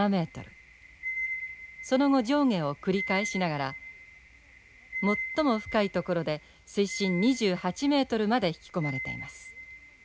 その後上下を繰り返しながら最も深い所で水深２８ｍまで引き込まれています。